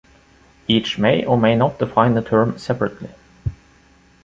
Each may or may not define the term separately.